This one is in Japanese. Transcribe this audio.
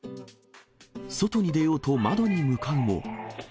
外に出ようと窓に向かうも。